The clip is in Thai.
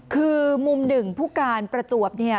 คือมุมหนึ่งผู้การประจวบเนี่ย